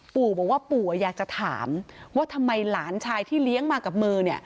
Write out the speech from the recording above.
ปู่บอกว่าปู่อยากจะถามว่าทำไมหลานชายที่เลี้ยงมากับมือ